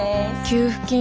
給付金